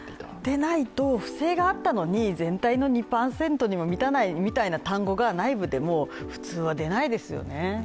でないと、不正があったのに全体の２％にも満たないみたいな単語が内部でも普通は出ないですよね。